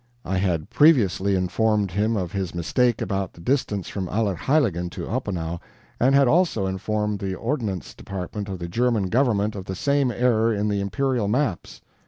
I had previously informed him of his mistake about the distance from Allerheiligen to Oppenau, and had also informed the Ordnance Depart of the German government of the same error in the imperial maps.